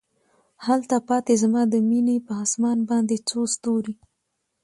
هلته پاته زما د میینې په اسمان باندې څو ستوري